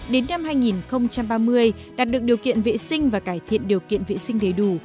đến năm hai nghìn ba mươi đạt được điều kiện vệ sinh và cải thiện điều kiện vệ sinh đầy đủ